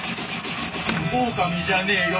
オオカミじゃねえよ